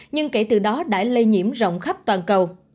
nhưng kể từ đó đã lây nhiễm rộng khắp toàn cầu